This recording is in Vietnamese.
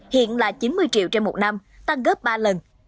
hiện là chín mươi triệu trên một năm tăng gấp ba lần